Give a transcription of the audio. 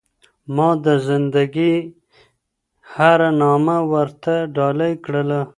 ما د زنده ګۍ هره نامـــه ورتـــه ډالۍ كړله